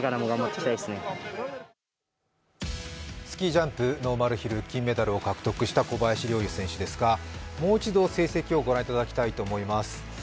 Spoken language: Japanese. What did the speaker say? スキージャンプ・ノーマルヒル、金メダルを獲得した小林陵侑選手ですが、もう一度成績をご覧いただきたいと思います。